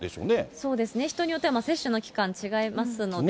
そうですね、人によっては接種の期間違いますので。